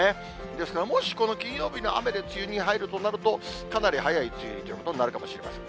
ですから、もしこの金曜日の雨で梅雨に入るとなると、かなり早い梅雨入りということになるかもしれません。